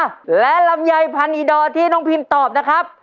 อ้าวแล้วลำไยพันธุ์อีดอที่น้องพิมพ์ตอบนะครับ